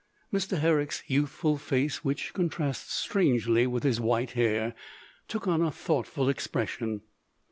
Mr. Herrick' s youthful face, which contrasts strangely with his white hair, took on a thought ful expression.